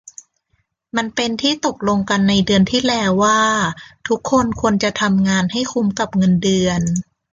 มันเป็นที่ตกลงกันในเดือนที่แล้วว่าทุกคนควรจะทำงานให้คุ้มกับเงินเดือน